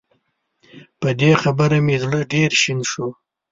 په دې خبره مې زړه ډېر شين شو